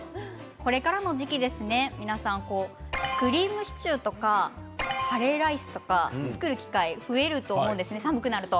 これからの時期、皆さんクリームシチューとかカレーライスとか作る機会増えると思うんです寒くなると。